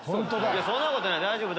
そんなことない大丈夫。